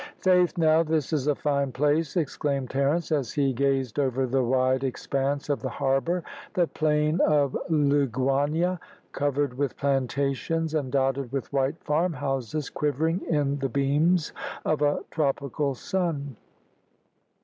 "Faith, now, this is a fine place!" exclaimed Terence, as he gazed over the wide expanse of the harbour, the plain of Liguania covered with plantations, and dotted with white farm houses quivering in the beams of a tropical sun.